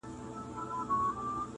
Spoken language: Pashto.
د نورو مرسته کول انساني فریضه ده.